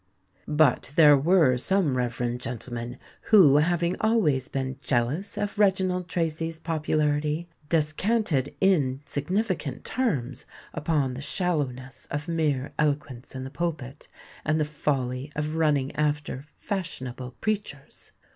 But there were some reverend gentlemen, who, having always been jealous of Reginald Tracy's popularity, descanted in significant terms upon the shallowness of mere eloquence in the pulpit, and the folly of running after "fashionable preachers."